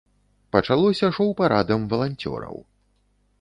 Пачалося шоў парадам валанцёраў.